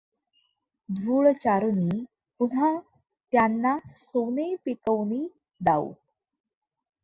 धूळ चारुनि पुन्हा त्यांना सोने पिकवुनि दावू।